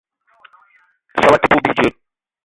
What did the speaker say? Soobo te poup bidjeu.